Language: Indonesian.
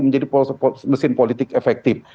menjadi mesin politik efektif